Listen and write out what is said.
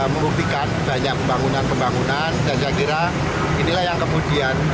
mengupikan banyak pembangunan pembangunan dan segera inilah yang kemudian